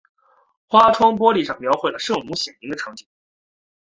花窗玻璃上描绘了圣母显灵的场景。